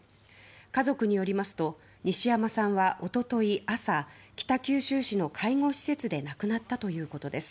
家族によりますと西山さんは一昨日朝北九州市の介護施設で亡くなったということです。